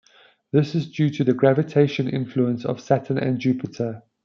This is due to the gravitation influence of Saturn and Jupiter.